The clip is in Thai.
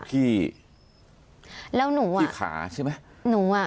ที่ขาใช่มั้ย